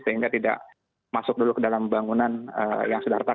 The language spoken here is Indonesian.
sehingga tidak masuk dulu ke dalam bangunan yang sudah retak